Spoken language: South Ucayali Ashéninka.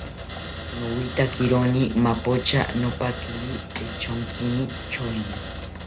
Nowitakironi mapocha, nopaquiri echonkini tyoeni